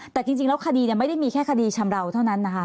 แต่จริงแล้วคดีไม่ได้มีแค่คดีชำราวเท่านั้นนะคะ